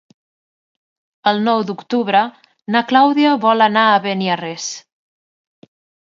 El nou d'octubre na Clàudia vol anar a Beniarrés.